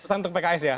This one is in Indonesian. pesan untuk pks ya